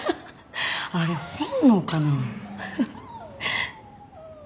あれ本能かな？